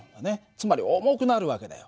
つまり重くなる訳だよ。